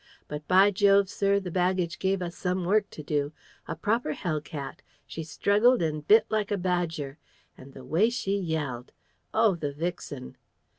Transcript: But, by Jove, sir, the baggage gave us some work to do. A proper hell cat! She struggled and bit like a badger. And the way she yelled! Oh, the vixen!"